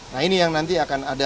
nah ini yang nanti akan ada